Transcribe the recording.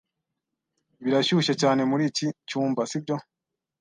Birashyushye cyane muri iki cyumba, sibyo?